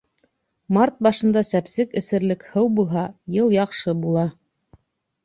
Март башында сәпсек эсерлек һыу булһа, йыл яҡшы була.